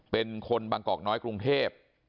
เป็นคนบางกอกน้อยกรุงเทพ